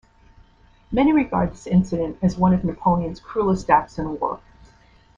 Many regard this incident as one of Napoleon's cruelest acts in war.